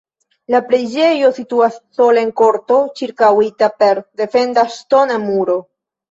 La preĝejo situas sola en korto ĉirkaŭita per defenda ŝtona muro.